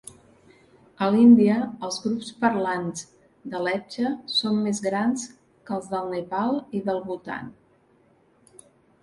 A l'Índia els grups parlants de lepcha són més grans que els del Nepal i del Bhutan.